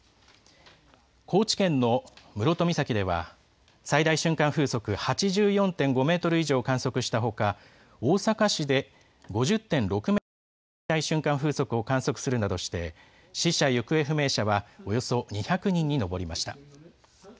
高知県の室戸岬では、最大瞬間風速８４．５メートル以上を観測したほか、大阪市で５０．６メートルの最大瞬間風速を観測するなどして、死者・行方不明者はおよそ２００人に上りました。